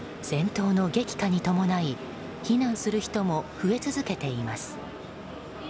戦闘の激化に伴い避難する人も増え続けています。